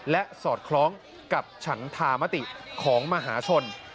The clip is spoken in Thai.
และสอดคล้องกับฉันธามติของมหาชน